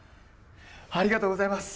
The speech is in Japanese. ありがとうございます。